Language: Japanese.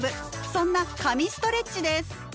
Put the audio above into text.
そんな「神ストレッチ」です。